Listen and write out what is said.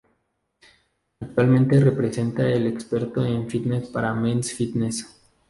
Actualmente representa y el experto en fitness para Men's Fitness.